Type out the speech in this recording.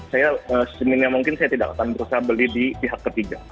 saya seminia mungkin saya tidak akan berusaha beli di pihak ketiga